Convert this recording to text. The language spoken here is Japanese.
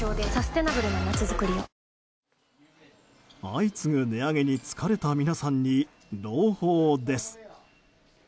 相次ぐ値上げに疲れた皆さんに朗報です。